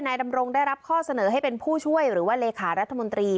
ดำรงได้รับข้อเสนอให้เป็นผู้ช่วยหรือว่าเลขารัฐมนตรี